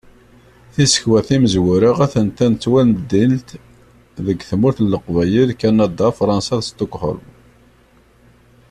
Tisekwa timezwura a-tent-an ttwaldint deg tmurt n Leqbayel, Kanada, Fransa d Sṭukhulm.